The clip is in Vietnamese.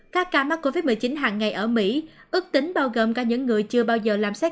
các ca mắc covid một mươi chín hàng ngày ở mỹ ước tính bao gồm cả những người chưa bao giờ làm xét